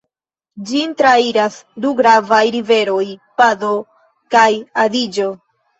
Ĝin trairas du gravaj riveroj, Pado kaj Adiĝo.